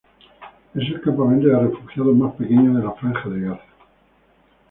Es el campamento de refugiados más pequeño de la Franja de Gaza.